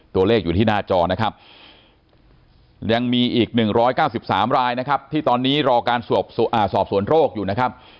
ตัวเลขอยู่ที่หน้าจอนะครับยังมีอีก๑๙๓รายนะครับที่ตอนนี้รอการสอบสวนโรคอยู่นะครับ